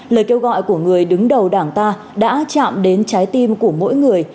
lời kêu gọi của người đứng đầu đảng ta đã chạm đến trái tim của mỗi người